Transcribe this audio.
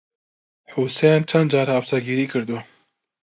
حوسێن چەند جار هاوسەرگیریی کردووە؟